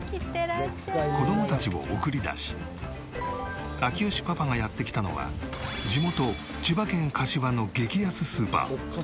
子どもたちを送り出し明慶パパがやって来たのは地元千葉県柏の激安スーパー。